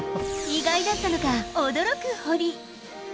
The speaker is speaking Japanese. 意外だったのか、驚く堀。